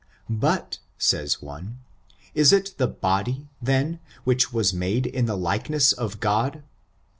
But, says one, is it the body, then, which was made in the like ness of Grod